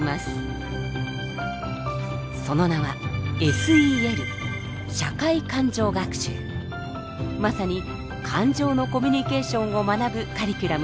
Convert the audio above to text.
その名はまさに感情のコミュニケーションを学ぶカリキュラムです。